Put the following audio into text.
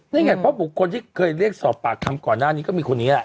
นี่ไงเพราะบุคคลที่เคยเรียกสอบปากคำก่อนหน้านี้ก็มีคนนี้แหละ